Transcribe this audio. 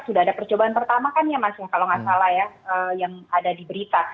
sudah ada percobaan pertama kan ya mas ya kalau nggak salah ya yang ada di berita